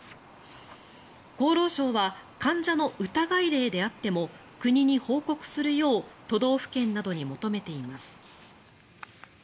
厚労省は患者の疑い例であっても国に報告するよう都道府県などに求めています。